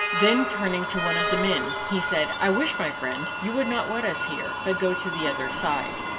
Then turning to one of the men, he said, "I wish, my friend, you would not wet us here, but go to the other side."